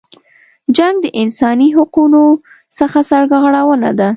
جنګ د انسانی حقونو څخه سرغړونه ده.